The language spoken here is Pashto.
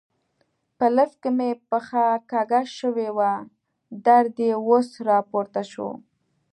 په لفټ کې مې پښه کږه شوې وه، درد یې اوس را پورته شو.